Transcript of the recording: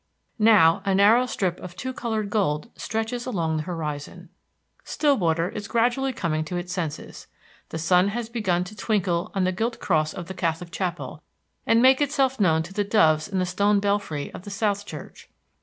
Now a narrow strip of two colored gold stretches along the horizon. Stillwater is gradually coming to its senses. The sun has begun to twinkle on the gilt cross of the Catholic chapel and make itself known to the doves in the stone belfry of the South Church.